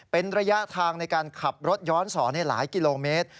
เป็นระยะทางในการขับรถย้อนสอนในหลายกิโลเมตร